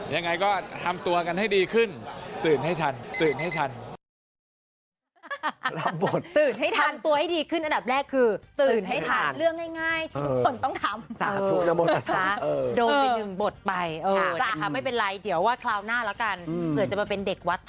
ยังไงก็ทำตัวกันให้ดีขึ้น